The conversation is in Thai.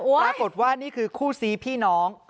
ปรากฏว่านี่คือคู่ซีพี่น้อง